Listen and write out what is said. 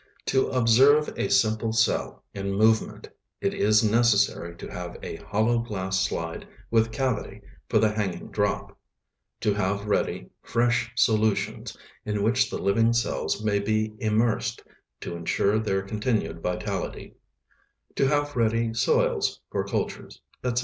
To observe a simple cell in movement, it is necessary to have a hollow glass slide with cavity for the hanging drop; to have ready "fresh solutions" in which the living cells may be immersed, to ensure their continued vitality; to have ready soils for cultures, etc.